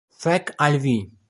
Fek' al vi